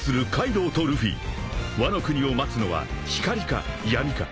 ［ワノ国を待つのは光か闇か］